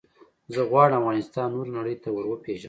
زه غواړم افغانستان نورې نړی ته وروپېژنم.